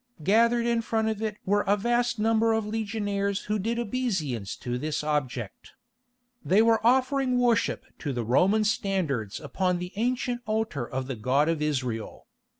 Gathered in front of it were a vast number of legionaries who did obeisance to this object. They were offering worship to the Roman standards upon the ancient altar of the God of Israel!